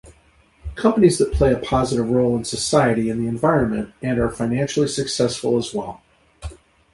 Companies that play a positive role in society and the environment, and are financially successful as well.